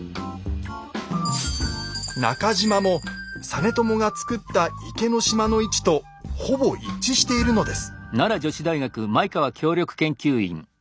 中島も実朝が造った池の島の位置とほぼ一致しているのです。